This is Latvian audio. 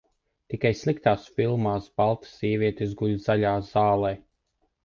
Tikai sliktās filmās baltas sievietes guļ zaļā zālē.